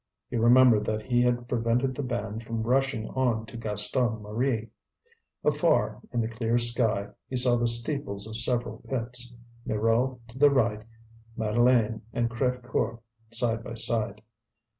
He remembered that he had prevented the band from rushing on to Gaston Marie. Afar, in the clear sky he saw the steeples of several pits Mirou to the right, Madeleine and Crévecoeur side by side.